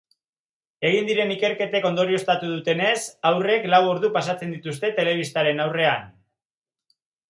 Egin diren ikerketek ondorioztatu dutenez, haurrek lau ordu pasatzen dituzte telebistaren aurrean.